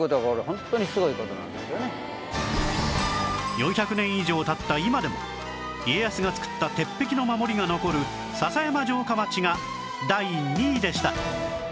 ４００年以上経った今でも家康が作った鉄壁の守りが残る篠山城下町が第２位でした